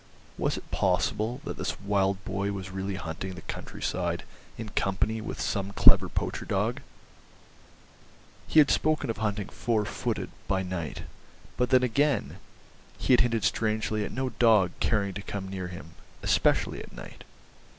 Was it possible that this wild boy was really hunting the countryside in company with some clever poacher dogs? He had spoken of hunting "four footed" by night, but then, again, he had hinted strangely at no dog caring to come near him, "especially at night."